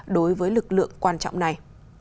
đối với lực lượng quan trọng này